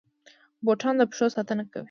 بوټان د پښو ساتنه کوي